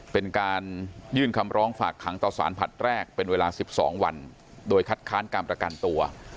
เป็นการยื่นคำร้องฝากขังต่อสารผลัดแรกเป็นเวลา๑๒วันโดยคัดค้านการประกันตัว